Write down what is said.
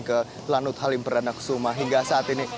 ke lanut halim perdana kusuma hingga saat ini